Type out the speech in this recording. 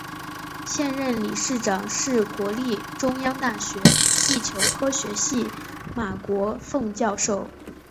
现任理事长是国立中央大学地球科学系马国凤教授。